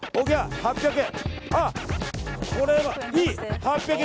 ８００円。